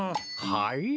はい？